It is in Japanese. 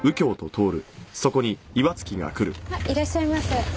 いらっしゃいませ。